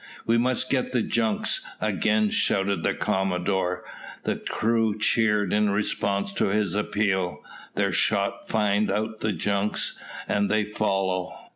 "We must get the junks," again shouted the commodore. The crews cheered in response to his appeal. Their shot find out the junks, and they follow.